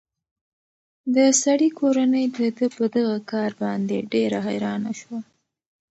د سړي کورنۍ د ده په دغه کار باندې ډېره حیرانه شوه.